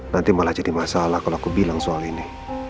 nanti malah jadi masalah kalau aku bilang soal ini